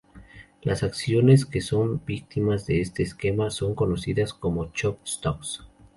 Las acciones que son víctimas de este esquema son conocidas como: chop stocks.